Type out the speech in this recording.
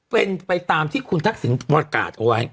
เป็นไปตามที่คุณทักษิณประกาศเอาไว้